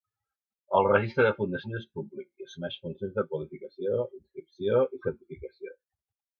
El Registre de fundacions és públic i assumeix funcions de qualificació, inscripció i certificació.